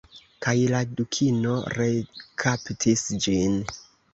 Kaj la Dukino rekaptis ĝin.